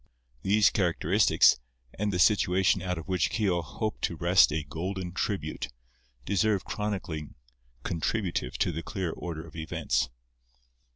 These characteristics, and the situation out of which Keogh hoped to wrest a golden tribute, deserve chronicling contributive to the clear order of events.